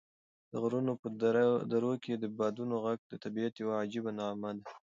د غرونو په درو کې د بادونو غږ د طبعیت یوه عجیبه نغمه ده.